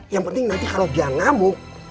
yang penting nanti kalau dia ngamuk